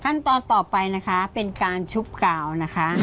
ขั้นตอนต่อไปนะคะเป็นการชุบกาวนะคะ